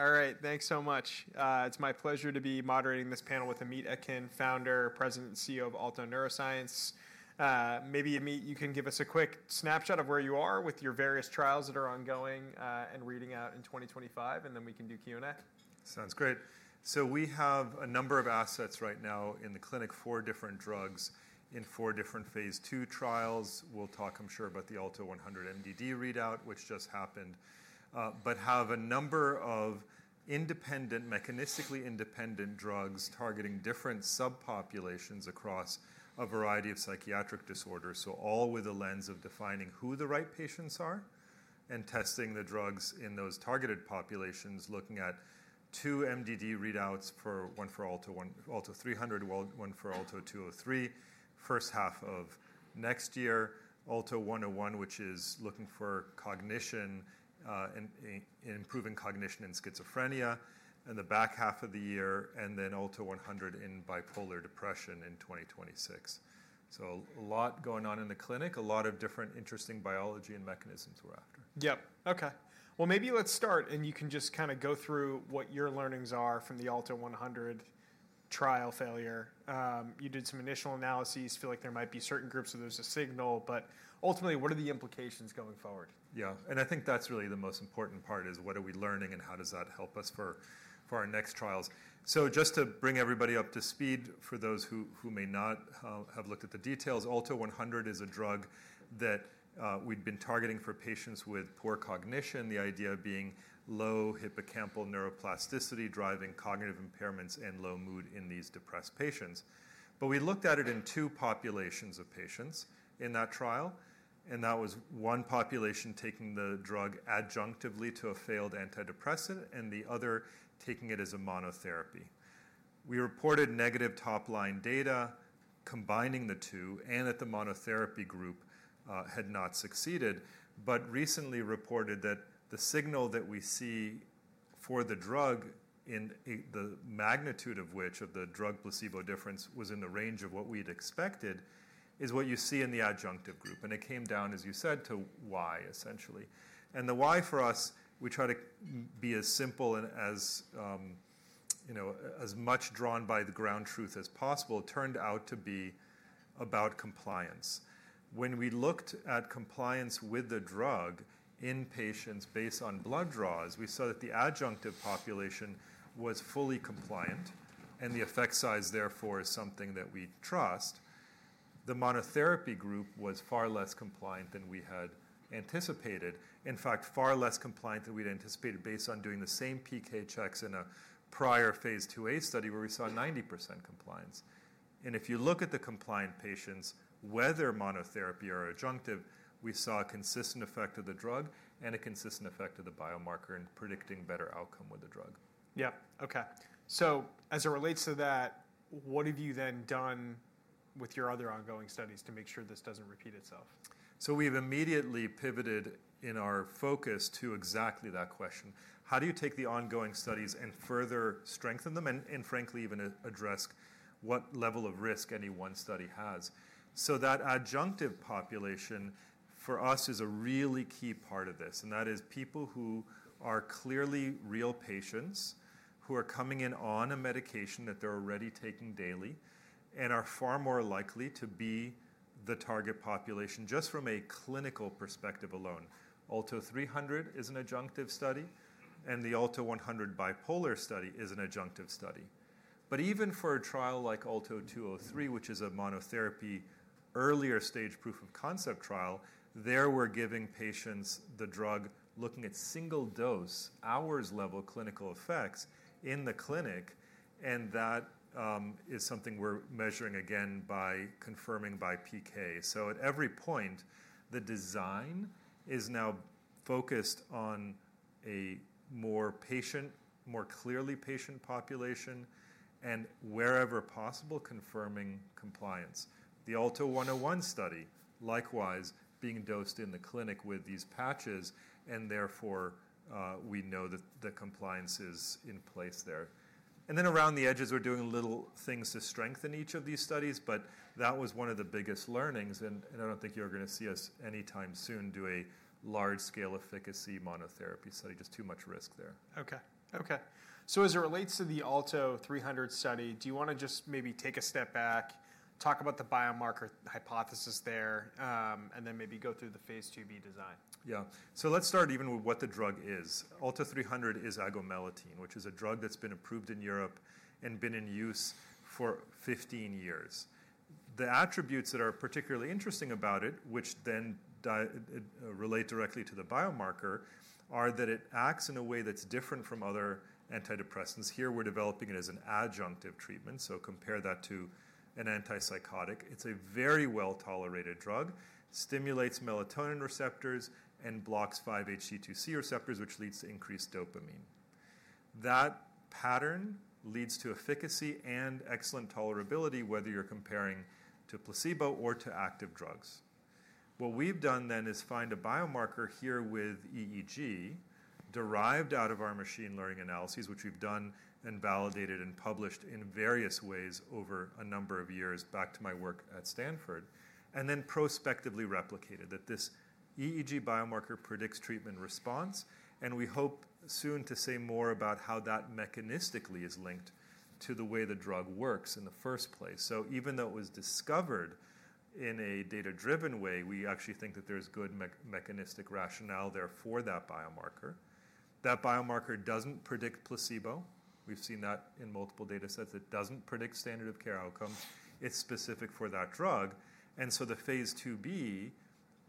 All right, thanks so much. It's my pleasure to be moderating this panel with Amit Etkin, Founder, President, and CEO of Alto Neuroscience. Maybe, Amit, you can give us a quick snapshot of where you are with your various trials that are ongoing and reading out in 2025, and then we can do Q&A. Sounds great. So we have a number of assets right now in the clinic for different drugs in four different phase 2 trials. We'll talk, I'm sure, about the ALTO-100 MDD readout, which just happened, but have a number of independent, mechanistically independent drugs targeting different subpopulations across a variety of psychiatric disorders. So all with a lens of defining who the right patients are and testing the drugs in those targeted populations, looking at two MDD readouts, one for ALTO-300, one for ALTO-203, first half of next year, ALTO-101, which is looking for cognition and improving cognition in schizophrenia, and the back half of the year, and then ALTO-100 in bipolar depression in 2026. So a lot going on in the clinic, a lot of different interesting biology and mechanisms we're after. Yep. Okay. Maybe let's start, and you can just kind of go through what your learnings are from the ALTO-100 trial failure. You did some initial analyses, feel like there might be certain groups where there's a signal, but ultimately, what are the implications going forward? Yeah. And I think that's really the most important part is what are we learning and how does that help us for our next trials. So just to bring everybody up to speed, for those who may not have looked at the details, ALTO-100 is a drug that we've been targeting for patients with poor cognition, the idea being low hippocampal neuroplasticity driving cognitive impairments and low mood in these depressed patients. But we looked at it in two populations of patients in that trial, and that was one population taking the drug adjunctively to a failed antidepressant and the other taking it as a monotherapy. We reported negative top-line data combining the two, and that the monotherapy group had not succeeded, but recently reported that the signal that we see for the drug, in the magnitude of which of the drug-placebo difference was in the range of what we'd expected, is what you see in the adjunctive group. And it came down, as you said, to why, essentially. And the why for us, we try to be as simple and as much drawn by the ground truth as possible, turned out to be about compliance. When we looked at compliance with the drug in patients based on blood draws, we saw that the adjunctive population was fully compliant, and the effect size, therefore, is something that we trust. The monotherapy group was far less compliant than we had anticipated, in fact, far less compliant than we'd anticipated based on doing the same PK checks in a prior Phase 2a study where we saw 90% compliance, and if you look at the compliant patients, whether monotherapy or adjunctive, we saw a consistent effect of the drug and a consistent effect of the biomarker in predicting better outcome with the drug. Yep. Okay. So as it relates to that, what have you then done with your other ongoing studies to make sure this doesn't repeat itself? So we've immediately pivoted in our focus to exactly that question. How do you take the ongoing studies and further strengthen them and, frankly, even address what level of risk any one study has? So that adjunctive population for us is a really key part of this, and that is people who are clearly real patients who are coming in on a medication that they're already taking daily and are far more likely to be the target population just from a clinical perspective alone. ALTO 300 is an adjunctive study, and the ALTO 100 bipolar study is an adjunctive study. But even for a trial like ALTO-203, which is a monotherapy earlier stage proof of concept trial, there we're giving patients the drug looking at single dose hours-level clinical effects in the clinic, and that is something we're measuring again by confirming by PK. So at every point, the design is now focused on a more patient, more clearly patient population and, wherever possible, confirming compliance. The ALTO-101 study, likewise, being dosed in the clinic with these patches, and therefore we know that the compliance is in place there. And then around the edges, we're doing little things to strengthen each of these studies, but that was one of the biggest learnings, and I don't think you're going to see us anytime soon do a large-scale efficacy monotherapy study, just too much risk there. Okay. Okay. So as it relates to the ALTO-300 study, do you want to just maybe take a step back, talk about the biomarker hypothesis there, and then maybe go through the Phase 2b design? Yeah. So let's start even with what the drug is. ALTO-300 is agomelatine, which is a drug that's been approved in Europe and been in use for 15 years. The attributes that are particularly interesting about it, which then relate directly to the biomarker, are that it acts in a way that's different from other antidepressants. Here, we're developing it as an adjunctive treatment, so compare that to an antipsychotic. It's a very well-tolerated drug, stimulates melatonin receptors and blocks 5-HT2C receptors, which leads to increased dopamine. That pattern leads to efficacy and excellent tolerability, whether you're comparing to placebo or to active drugs. What we've done then is find a biomarker here with EEG derived out of our machine learning analyses, which we've done and validated and published in various ways over a number of years back to my work at Stanford, and then prospectively replicated that this EEG biomarker predicts treatment response, and we hope soon to say more about how that mechanistically is linked to the way the drug works in the first place. So even though it was discovered in a data-driven way, we actually think that there's good mechanistic rationale there for that biomarker. That biomarker doesn't predict placebo. We've seen that in multiple data sets. It doesn't predict standard of care outcomes. It's specific for that drug. And so the Phase 2b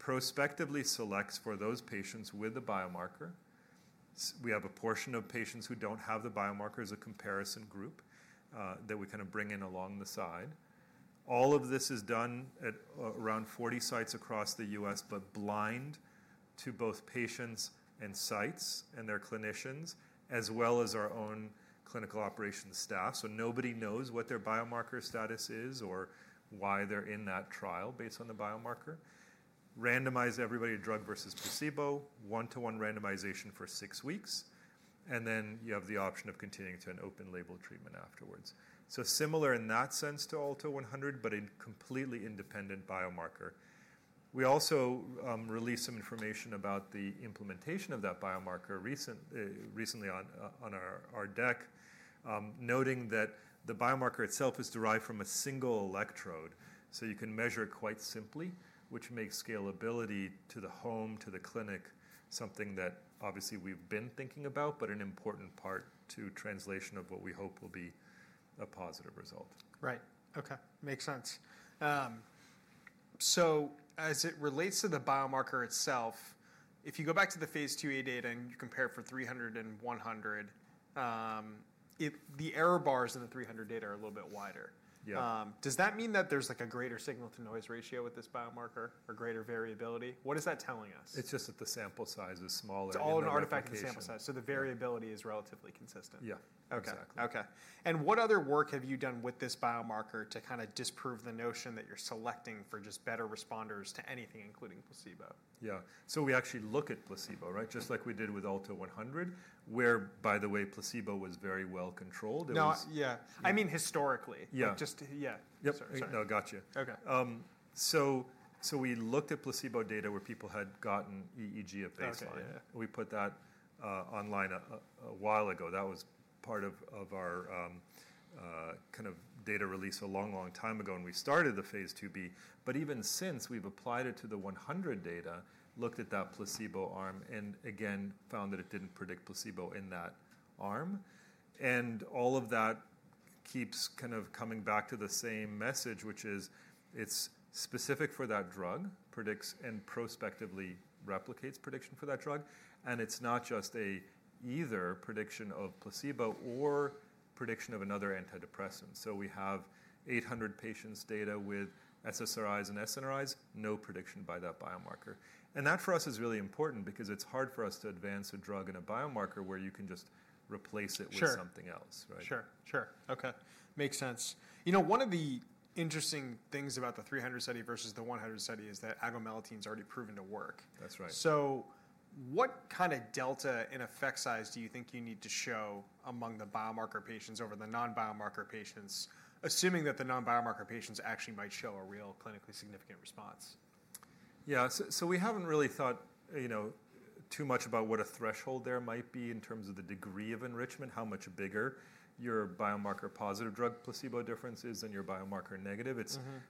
prospectively selects for those patients with the biomarker. We have a portion of patients who don't have the biomarker as a comparison group that we kind of bring in along the side. All of this is done at around 40 sites across the U.S., but blind to both patients and sites and their clinicians, as well as our own clinical operations staff, so nobody knows what their biomarker status is or why they're in that trial based on the biomarker. Randomize everybody to drug versus placebo, one-to-one randomization for six weeks, and then you have the option of continuing to an open-label treatment afterwards, so similar in that sense to ALTO-100, but a completely independent biomarker. We also released some information about the implementation of that biomarker recently on our deck, noting that the biomarker itself is derived from a single electrode, so you can measure it quite simply, which makes scalability to the home, to the clinic, something that obviously we've been thinking about, but an important part to translation of what we hope will be a positive result. Right. Okay. Makes sense. So as it relates to the biomarker itself, if you go back to the Phase 2a data and you compare it for 300 and 100, t he error bars in the 300 data are a little bit wider. Does that mean that there's a greater signal-to-noise ratio with this biomarker or greater variability? What is that telling us? It's just that the sample size is smaller. It's all an artifact of sample size, so the variability is relatively consistent. Yeah. Exactly. Okay. And what other work have you done with this biomarker to kind of disprove the notion that you're selecting for just better responders to anything, including placebo? Yeah, so we actually look at placebo, right, just like we did with ALTO-100, where, by the way, placebo was very well controlled. Yeah. I mean, historically. Yeah. Just, yeah. Yep. No, gotcha. Okay. We looked at placebo data where people had gotten EEG at baseline. We put that online a while ago. That was part of our kind of data release a long, long time ago when we started the Phase 2b. Even since, we've applied it to the 100 data, looked at that placebo arm, and again, found that it didn't predict placebo in that arm. All of that keeps kind of coming back to the same message, which is it's specific for that drug, predicts and prospectively replicates prediction for that drug, and it's not just either prediction of placebo or prediction of another antidepressant. We have 800 patients' data with SSRIs and SNRIs, no prediction by that biomarker. That for us is really important because it's hard for us to advance a drug and a biomarker where you can just replace it with something else, right? Sure. Sure. Okay. Makes sense. You know, one of the interesting things about the 300 study versus the 100 study is that agomelatine's already proven to work. That's right. What kind of delta in effect size do you think you need to show among the biomarker patients over the non-biomarker patients, assuming that the non-biomarker patients actually might show a real clinically significant response? Yeah. So we haven't really thought too much about what a threshold there might be in terms of the degree of enrichment, how much bigger your biomarker-positive drug placebo difference is than your biomarker-negative.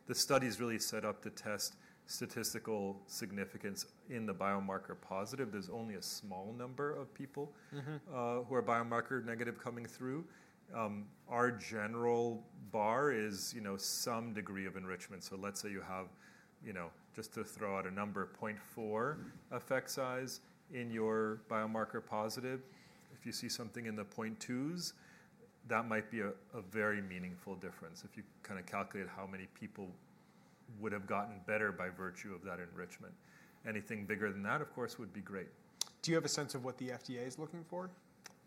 The study's really set up to test statistical significance in the biomarker-positive. There's only a small number of people who are biomarker-negative coming through. Our general bar is some degree of enrichment. So let's say you have, just to throw out a number, 0.4 effect size in your biomarker-positive. If you see something in the 0.2s, that might be a very meaningful difference if you kind of calculate how many people would have gotten better by virtue of that enrichment. Anything bigger than that, of course, would be great. Do you have a sense of what the FDA is looking for?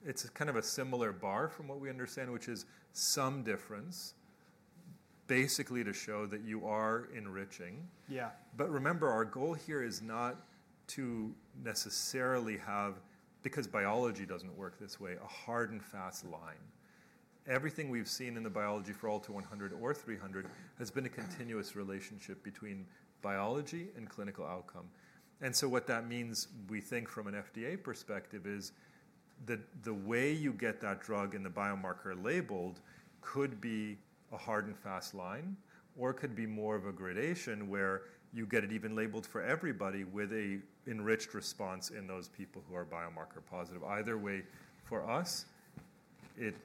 It's kind of a similar bar, from what we understand, which is some difference, basically to show that you are enriching. Yeah. But remember, our goal here is not to necessarily have, because biology doesn't work this way, a hard and fast line. Everything we've seen in the biology for ALTO-100 or ALTO-300 has been a continuous relationship between biology and clinical outcome. And so what that means, we think from an FDA perspective, is that the way you get that drug and the biomarker labeled could be a hard and fast line or could be more of a gradation where you get it even labeled for everybody with an enriched response in those people who are biomarker-positive. Either way, for us, it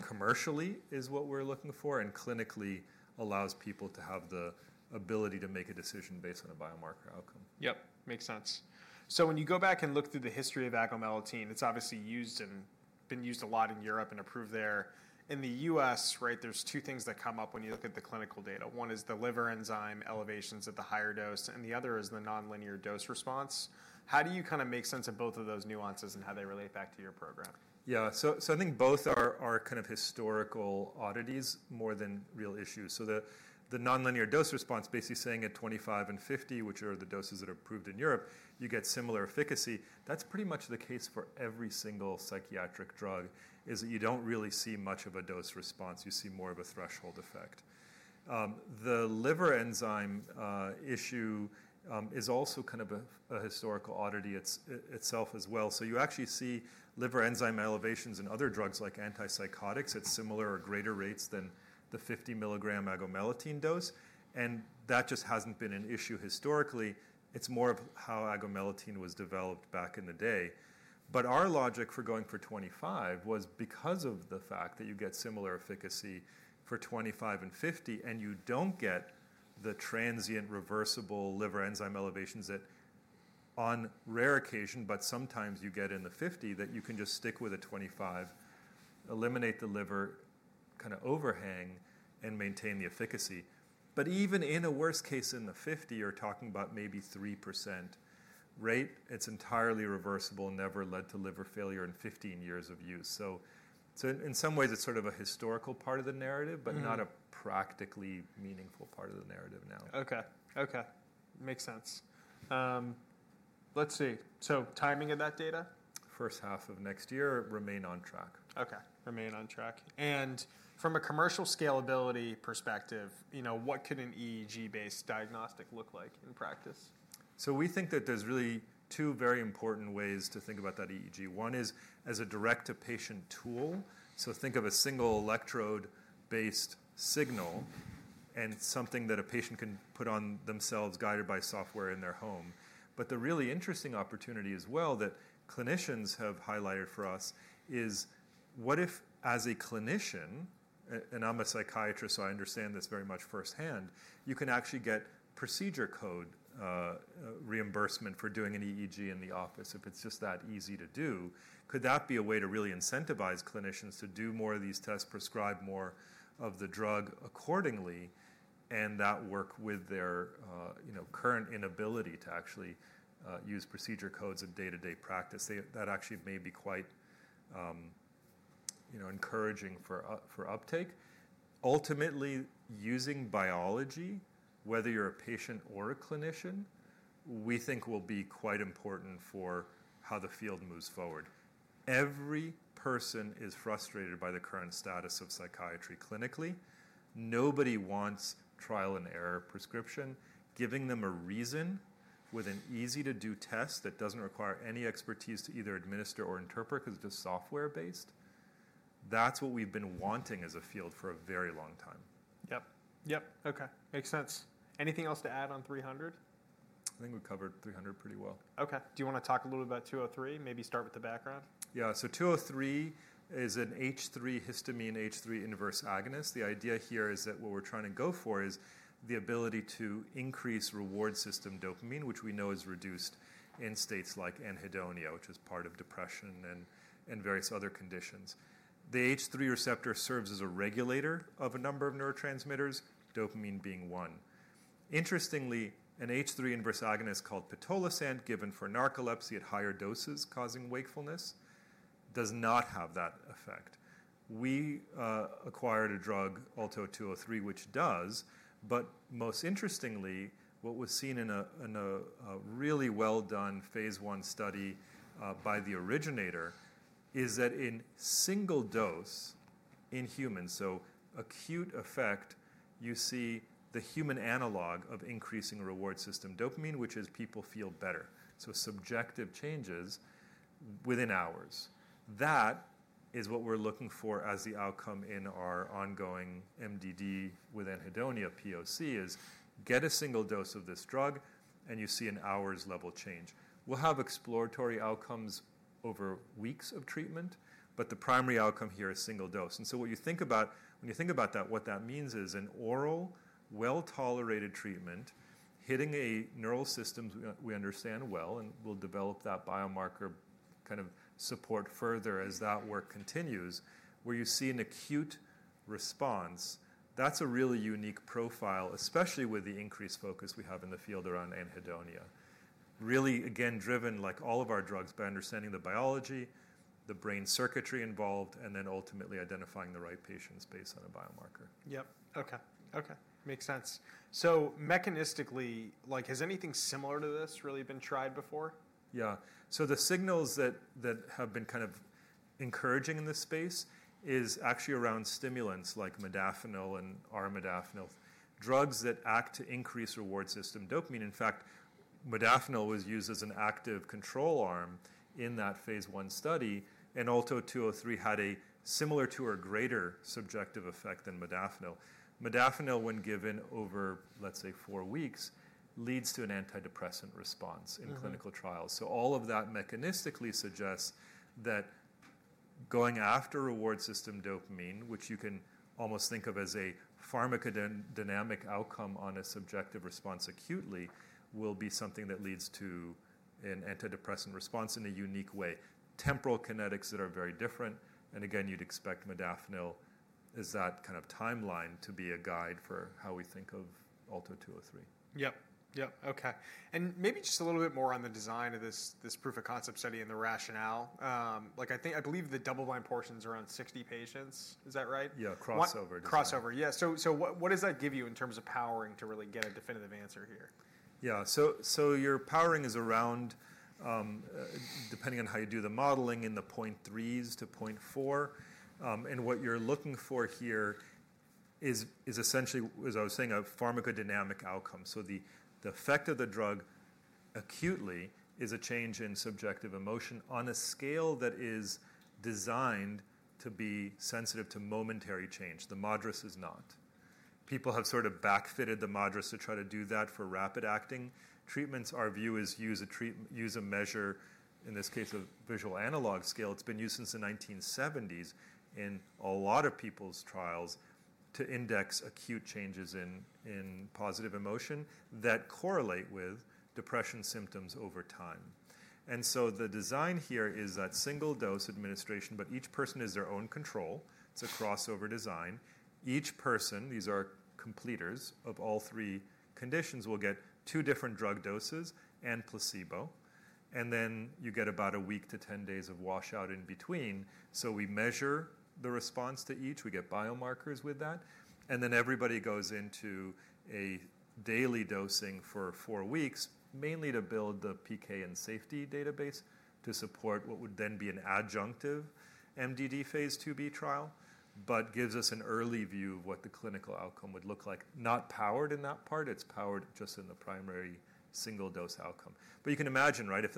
commercially is what we're looking for and clinically allows people to have the ability to make a decision based on a biomarker outcome. Yep. Makes sense. So when you go back and look through the history of agomelatine, it's obviously used and been used a lot in Europe and approved there. In the US, right, there's two things that come up when you look at the clinical data. One is the liver enzyme elevations at the higher dose, and the other is the nonlinear dose response. How do you kind of make sense of both of those nuances and how they relate back to your program? Yeah. So I think both are kind of historical oddities more than real issues. So the nonlinear dose response, basically saying at 25 and 50, which are the doses that are approved in Europe, you get similar efficacy. That's pretty much the case for every single psychiatric drug, is that you don't really see much of a dose response. You see more of a threshold effect. The liver enzyme issue is also kind of a historical oddity itself as well. So you actually see liver enzyme elevations in other drugs like antipsychotics at similar or greater rates than the 50 milligram agomelatine dose. And that just hasn't been an issue historically. It's more of how agomelatine was developed back in the day. But our logic for going for 25 was because of the fact that you get similar efficacy for 25 and 50, and you don't get the transient reversible liver enzyme elevations that on rare occasion, but sometimes you get in the 50, that you can just stick with a 25, eliminate the liver kind of overhang, and maintain the efficacy. But even in a worst case in the 50, you're talking about maybe 3% rate. It's entirely reversible, never led to liver failure in 15 years of use. So in some ways, it's sort of a historical part of the narrative, but not a practically meaningful part of the narrative now. Okay. Makes sense. Let's see. So timing of that data? First half of next year, remain on track. Okay. Remain on track. And from a commercial scalability perspective, what could an EEG-based diagnostic look like in practice? So we think that there's really two very important ways to think about that EEG. One is as a direct-to-patient tool. So think of a single electrode-based signal and something that a patient can put on themselves guided by software in their home. But the really interesting opportunity as well that clinicians have highlighted for us is what if as a clinician, and I'm a psychiatrist, so I understand this very much firsthand, you can actually get procedure code reimbursement for doing an EEG in the office if it's just that easy to do. Could that be a way to really incentivize clinicians to do more of these tests, prescribe more of the drug accordingly, and that work with their current inability to actually use procedure codes in day-to-day practice? That actually may be quite encouraging for uptake. Ultimately, using biology, whether you're a patient or a clinician, we think will be quite important for how the field moves forward. Every person is frustrated by the current status of psychiatry clinically. Nobody wants trial and error prescription. Giving them a reason with an easy-to-do test that doesn't require any expertise to either administer or interpret because it's just software-based, that's what we've been wanting as a field for a very long time. Yep. Yep. Okay. Makes sense. Anything else to add on 300? I think we covered 300 pretty well. Okay. Do you want to talk a little bit about 203? Maybe start with the background. Yeah. So 203 is an H3 histamine H3 inverse agonist. The idea here is that what we're trying to go for is the ability to increase reward system dopamine, which we know is reduced in states like anhedonia, which is part of depression and various other conditions. The H3 receptor serves as a regulator of a number of neurotransmitters, dopamine being one. Interestingly, an H3 inverse agonist called pitolisant given for narcolepsy at higher doses causing wakefulness does not have that effect. We acquired a drug, ALTO-203, which does, but most interestingly, what was seen in a really well-done Phase 1 study by the originator is that in single dose in humans, so acute effect, you see the human analog of increasing reward system dopamine, which is people feel better. So subjective changes within hours. That is what we're looking for as the outcome in our ongoing MDD with anhedonia POC: to get a single dose of this drug and you see an hours-level change. We'll have exploratory outcomes over weeks of treatment, but the primary outcome here is single dose. So what you think about when you think about that, what that means is an oral, well-tolerated treatment hitting a neural system we understand well and will develop that biomarker kind of support further as that work continues, where you see an acute response. That's a really unique profile, especially with the increased focus we have in the field around anhedonia. Really, again, driven like all of our drugs by understanding the biology, the brain circuitry involved, and then ultimately identifying the right patients based on a biomarker. Yep. Okay. Makes sense. So mechanistically, has anything similar to this really been tried before? Yeah. So the signals that have been kind of encouraging in this space is actually around stimulants like modafinil and armodafinil, drugs that act to increase reward system dopamine. In fact, modafinil was used as an active control arm in that Phase 1 study, and ALTO-203 had a similar to or greater subjective effect than modafinil. Modafinil, when given over, let's say, four weeks, leads to an antidepressant response in clinical trials. So all of that mechanistically suggests that going after reward system dopamine, which you can almost think of as a pharmacodynamic outcome on a subjective response acutely, will be something that leads to an antidepressant response in a unique way. Temporal kinetics that are very different. And again, you'd expect modafinil is that kind of timeline to be a guide for how we think of ALTO-203. Yep. Yep. Okay. And maybe just a little bit more on the design of this proof of concept study and the rationale. I believe the double-blind portion's around 60 patients. Is that right? Yeah. Crossover. Crossover. Yeah. So what does that give you in terms of powering to really get a definitive answer here? Yeah. So your powering is around, depending on how you do the modeling in the 0.3-0.4. And what you're looking for here is essentially, as I was saying, a pharmacodynamic outcome. So the effect of the drug acutely is a change in subjective emotion on a scale that is designed to be sensitive to momentary change. The MADRS is not. People have sort of backfitted the MADRS to try to do that for rapid-acting treatments. Our view is use a measure, in this case, a visual analog scale. It's been used since the 1970s in a lot of people's trials to index acute changes in positive emotion that correlate with depression symptoms over time. And so the design here is that single dose administration, but each person is their own control. It's a crossover design. Each person, these are completers of all three conditions, will get two different drug doses and placebo. And then you get about a week to 10 days of washout in between. So we measure the response to each. We get biomarkers with that. And then everybody goes into a daily dosing for four weeks, mainly to build the PK and safety database to support what would then be an adjunctive MDD Phase 2b trial, but gives us an early view of what the clinical outcome would look like. Not powered in that part. It's powered just in the primary single dose outcome. But you can imagine, right, if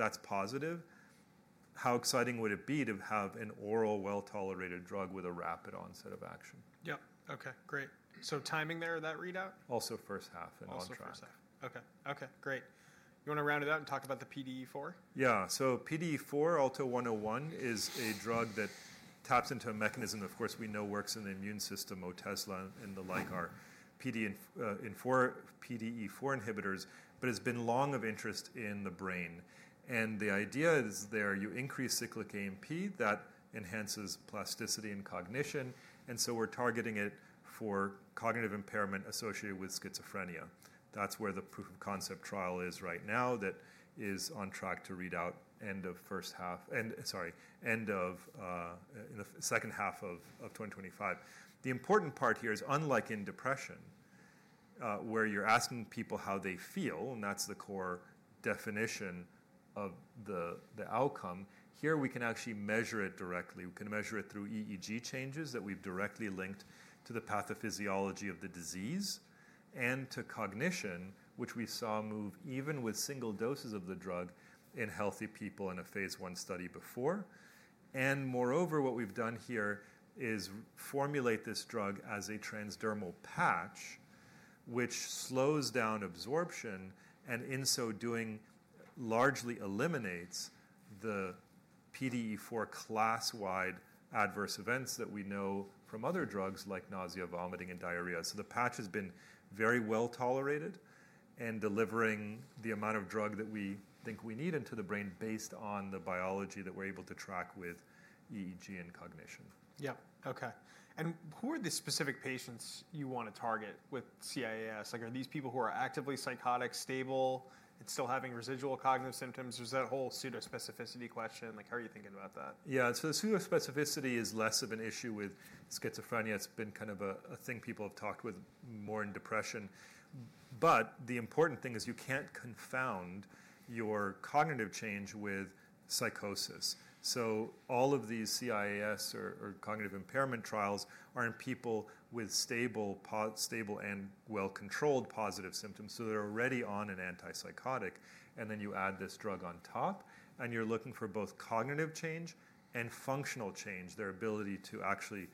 that's positive, how exciting would it be to have an oral, well-tolerated drug with a rapid onset of action. Yep. Okay. Great. So timing there of that readout? Also, first half and on track. Also, first half. Okay. Great. You want to round it out and talk about the PDE4? Yeah. So PDE4, ALTO-101, is a drug that taps into a mechanism that, of course, we know works in the immune system. Otezla and the like are PDE4 inhibitors, but has been long of interest in the brain. The idea is there you increase cyclic AMP that enhances plasticity and cognition. We're targeting it for cognitive impairment associated with schizophrenia. That's where the proof of concept trial is right now that is on track to read out end of first half and sorry, end of in the second half of 2025. The important part here is unlike in depression, where you're asking people how they feel, and that's the core definition of the outcome, here we can actually measure it directly. We can measure it through EEG changes that we've directly linked to the pathophysiology of the disease and to cognition, which we saw move even with single doses of the drug in healthy people in a Phase 1 study before. And moreover, what we've done here is formulate this drug as a transdermal patch, which slows down absorption and in so doing largely eliminates the PDE4 class-wide adverse events that we know from other drugs like nausea, vomiting, and diarrhea. So the patch has been very well tolerated and delivering the amount of drug that we think we need into the brain based on the biology that we're able to track with EEG and cognition. Yep. Okay. And who are the specific patients you want to target with CIAS? Are these people who are actively psychotic, stable, and still having residual cognitive symptoms? There's that whole pseudo-specificity question. How are you thinking about that? Yeah. So pseudo-specificity is less of an issue with schizophrenia. It's been kind of a thing people have talked with more in depression. But the important thing is you can't confound your cognitive change with psychosis. So all of these CIAS or cognitive impairment trials are in people with stable and well-controlled positive symptoms. So they're already on an antipsychotic. And then you add this drug on top, and you're looking for both cognitive change and functional change, their ability to actually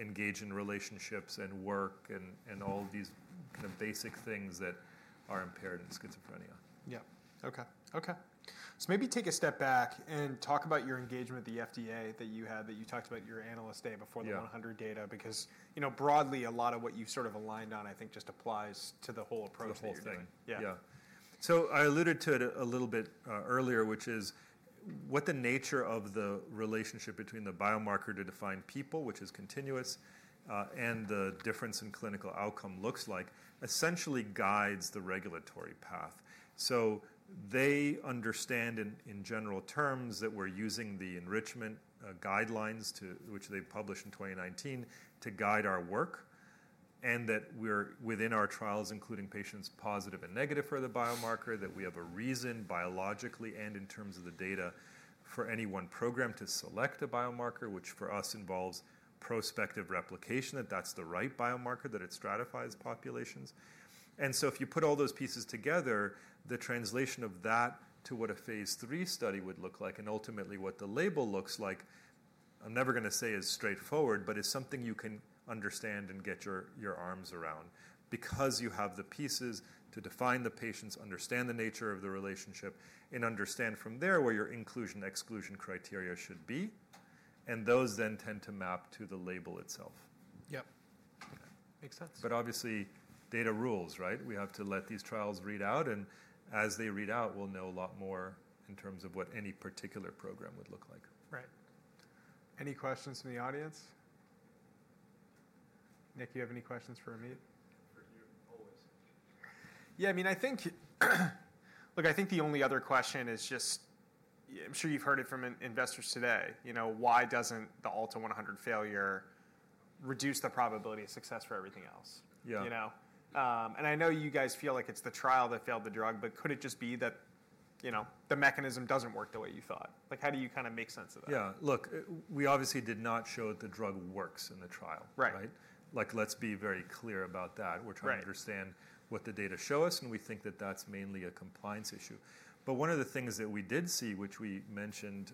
engage in relationships and work and all of these kind of basic things that are impaired in schizophrenia. Yep. Okay. Okay. So, maybe take a step back and talk about your engagement with the FDA that you had that you talked about your analyst day before the ALTO-100 data because broadly, a lot of what you've sort of aligned on, I think, just applies to the whole approach. The whole thing. Yeah. Yeah. So I alluded to it a little bit earlier, which is what the nature of the relationship between the biomarker to define people, which is continuous, and the difference in clinical outcome looks like, essentially guides the regulatory path. So they understand in general terms that we're using the enrichment guidelines, which they published in 2019, to guide our work and that we're within our trials, including patients positive and negative for the biomarker, that we have a reason biologically and in terms of the data for any one program to select a biomarker, which for us involves prospective replication, that that's the right biomarker, that it stratifies populations. And so if you put all those pieces together, the translation of that to what a phase 3 study would look like and ultimately what the label looks like, I'm never going to say is straightforward, but it's something you can understand and get your arms around because you have the pieces to define the patients, understand the nature of the relationship, and understand from there where your inclusion/exclusion criteria should be. And those then tend to map to the label itself. Yep. Makes sense. But obviously, data rules, right? We have to let these trials read out. And as they read out, we'll know a lot more in terms of what any particular program would look like. Right. Any questions from the audience? Nick, do you have any questions for Amit? Always. Yeah. I mean, I think, look, I think the only other question is just I'm sure you've heard it from investors today. Why doesn't the ALTO-100 failure reduce the probability of success for everything else? Yeah. And I know you guys feel like it's the trial that failed the drug, but could it just be that the mechanism doesn't work the way you thought? How do you kind of make sense of that? Yeah. Look, we obviously did not show that the drug works in the trial, right? Right. Let's be very clear about that. We're trying to understand what the data show us, and we think that that's mainly a compliance issue. But one of the things that we did see, which we mentioned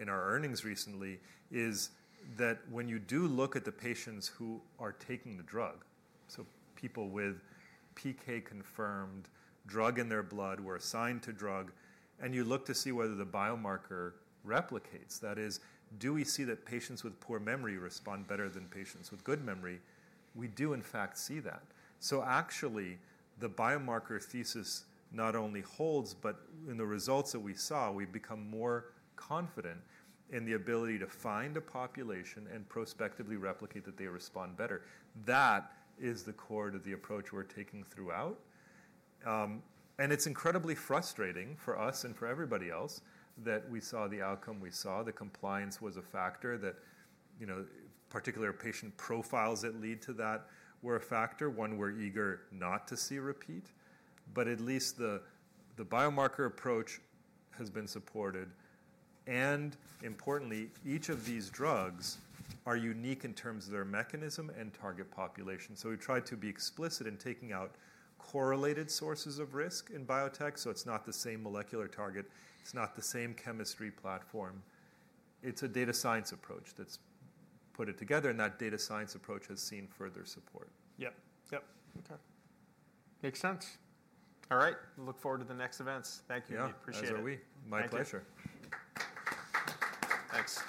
in our earnings recently, is that when you do look at the patients who are taking the drug, so people with PK confirmed drug in their blood were assigned to drug, and you look to see whether the biomarker replicates. That is, do we see that patients with poor memory respond better than patients with good memory? We do, in fact, see that. So actually, the biomarker thesis not only holds, but in the results that we saw, we become more confident in the ability to find a population and prospectively replicate that they respond better. That is the core to the approach we're taking throughout. It's incredibly frustrating for us and for everybody else that we saw the outcome we saw. The compliance was a factor. That particular patient profiles that lead to that were a factor. One we're eager not to see repeat. At least the biomarker approach has been supported. Importantly, each of these drugs are unique in terms of their mechanism and target population. We tried to be explicit in taking out correlated sources of risk in biotech. It's not the same molecular target. It's not the same chemistry platform. It's a data science approach that's put it together. That data science approach has seen further support. Yep. Yep. Okay. Makes sense. All right. Look forward to the next events. Thank you. We appreciate it. Yeah. As are we. My pleasure. Thanks.